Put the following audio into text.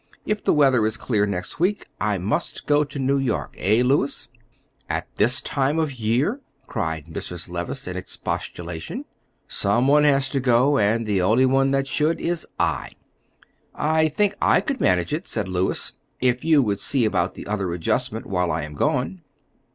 If the weather is clear next week, I must go to New York. Eh, Louis?" "At this time of the year!" cried Mrs. Levice, in expostulation. "Some one has to go, and the only one that should is I." "I think I could manage it," said Louis, "if you would see about the other adjustment while I am gone."